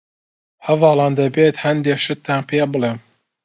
هەڤاڵان ، دەبێت هەندێ شتتان پێ بڵیم.